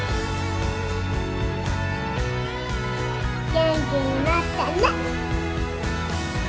元気になってね。